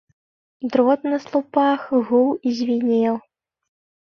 Дрот на слупах гуў і звінеў.